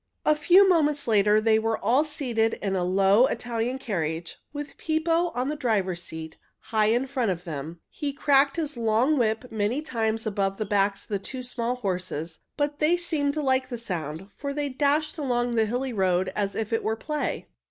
A few moments later they were all seated in a low Italian carriage, with Pippo on the driver's seat, high in front of them. He cracked his long whip many times above the backs of the two small horses, but they seemed to like the sound, for they dashed along over the hilly road as if it were play.